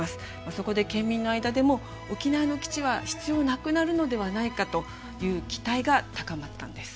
そこで県民の間でも沖縄の基地は必要なくなるのではないかという期待が高まったんです。